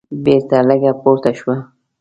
بېرته لږه پورته شوه.